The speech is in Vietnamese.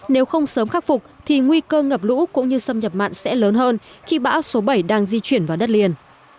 nếu không sớm khắc phục thì nguy cơ ngập lũ cũng như xâm nhập mặn sẽ lớn hơn khi bão số bảy đang di chuyển vào đất liền